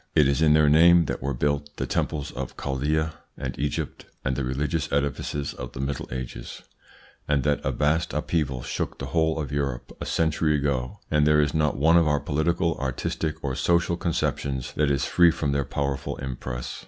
It is in their name that were built the temples of Chaldea and Egypt and the religious edifices of the Middle Ages, and that a vast upheaval shook the whole of Europe a century ago, and there is not one of our political, artistic, or social conceptions that is free from their powerful impress.